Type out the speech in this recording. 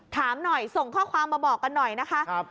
ถามหน่อยส่งข้อความมาบอกกันหน่อยนะคะ